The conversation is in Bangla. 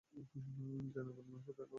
জয়নগর মজিলপুর রেলওয়ে স্টেশন নিকটেই অবস্থিত।